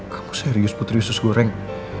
kamu serius putri usus goreng